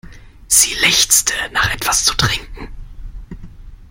Sie lechzte nach etwas zu trinken.